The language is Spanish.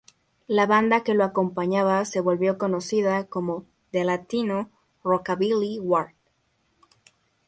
La banda que lo acompañaba se volvió conocida como The Latino Rockabilly War.